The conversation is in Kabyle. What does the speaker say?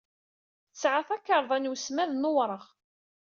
Tesɛa takṛḍa n wesmad n Uṛeɣ.